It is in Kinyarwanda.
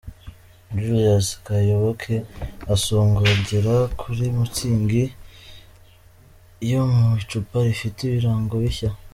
Julius Kayoboke asogongera kuri Mutzig yo mu icupa rifite ibirango bishya.